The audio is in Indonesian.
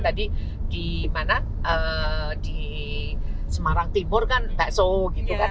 tadi di semarang timur kan bakso gitu kan